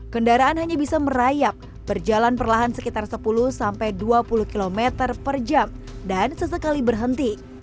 kendaraan hanya bisa merayap berjalan perlahan sekitar sepuluh sampai dua puluh km per jam dan sesekali berhenti